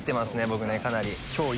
僕かなり。